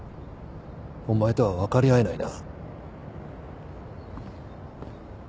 お前とは分かり合えないな。